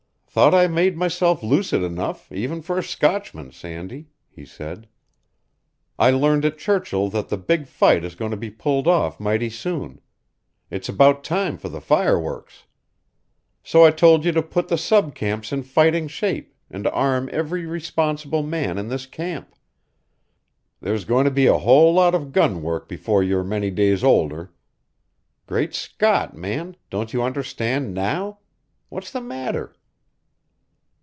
"Thought I made myself lucid enough, even for a Scotchman, Sandy," he said. "I learned at Churchill that the big fight is going to be pulled off mighty soon. It's about time for the fireworks. So I told you to put the sub camps in fighting shape, and arm every responsible man in this camp. There's going to be a whole lot of gun work before you're many days older. Great Scott, man, don't you understand NOW? What's the matter?"